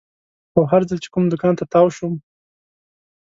خو هر ځل چې کوم دوکان ته تاو شوم.